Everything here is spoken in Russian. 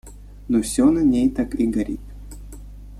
Но все на ней так и горит.